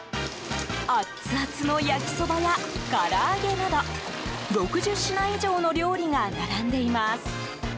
アツアツの焼きそばやから揚げなど６０品以上の料理が並んでいます。